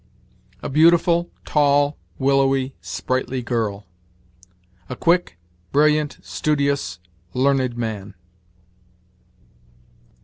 "A beautiful, tall, willowy, sprightly girl." "A quick, brilliant, studious, learned man."